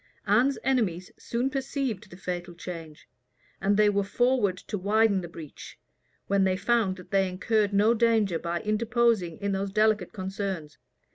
Anne's enemies soon perceived the fatal change; and they were forward to widen the breach, when they found that they incurred no danger by interposing in those delicate concerns.